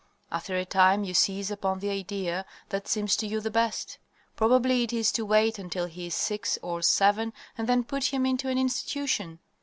After a time you seize upon the idea that seems to you the best. Probably it is to wait until he is six or seven and then put him into an institution.